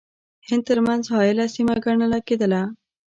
هند ترمنځ حایله سیمه ګڼله کېدله.